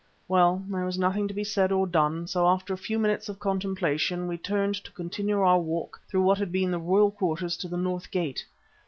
Well, there was nothing to be said or done, so after a few minutes of contemplation we turned to continue our walk through what had been the royal quarters to the north gate.